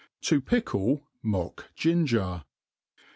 ■ To pickle Alock Ginger.